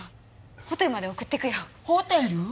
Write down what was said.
ホテルまで送ってくよホテル？